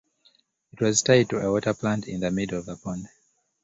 It was tied to a water-plant in the middle of the pond.